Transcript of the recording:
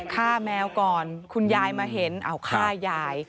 แมวก่อนคุณยายมาเห็นเอาฆ่ายาย